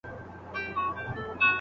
هغه چې ماته يې په سرو وینو غزل ليکله